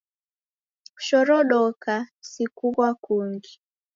Kushorodoka si kughwa kungi